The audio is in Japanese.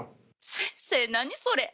先生何それ。